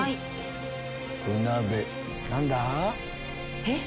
何だ？